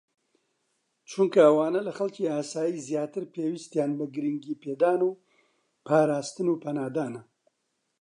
چونکە ئەوانە لە خەڵکی ئاسایی زیاتر پێویستیان بە گرنگیپێدان و پاراستن و پەنادانە